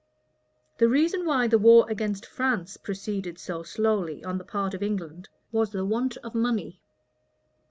The reason why the war against France proceeded so slowly on the part of England, was the want of money.